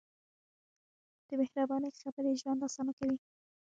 د مهربانۍ خبرې ژوند اسانه کوي.